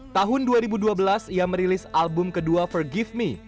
tahun dua ribu dua belas ia merilis album kedua for give